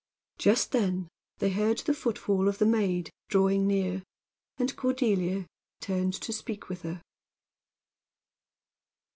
Just then they heard the footfall of the maid drawing near, and Cordelia turned to speak with her.